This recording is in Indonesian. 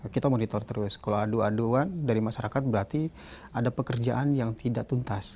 kita monitor terus kalau adu aduan dari masyarakat berarti ada pekerjaan yang tidak tuntas